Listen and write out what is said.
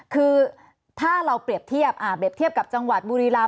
คือถ้าเราเปรียบเทียบกับจังหวัดบุรีราม